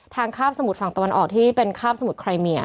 คาบสมุดฝั่งตะวันออกที่เป็นคาบสมุทรไครเมีย